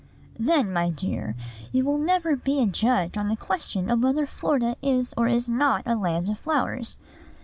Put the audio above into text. "Then, my dear, you will never be a judge on the question whether Florida is or is not a land of flowers.